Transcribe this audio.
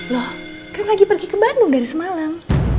loh kamu lagi pergi ke bandung dari semalam